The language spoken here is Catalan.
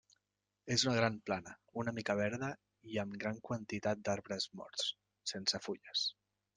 És una gran plana, una mica verda i amb gran quantitat d'arbres morts, sense fulles.